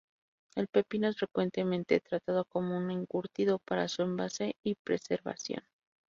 El pepino es frecuentemente tratado como un encurtido para su envase y preservación.